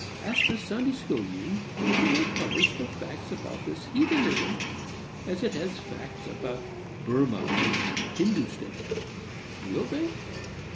Ask the Sunday School Union if it will publish the facts about this heathenism, as it has facts about Burmah and Hindostan! Will they?